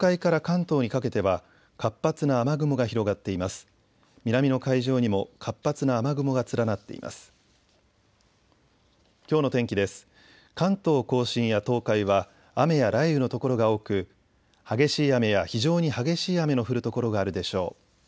関東甲信や東海は雨や雷雨の所が多く激しい雨や非常に激しい雨の降る所があるでしょう。